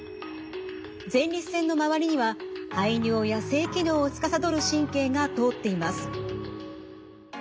前立腺の周りには排尿や性機能をつかさどる神経が通っています。